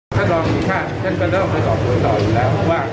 น็ตมีคนมาเชื้อทุกตัวต้นน่ะ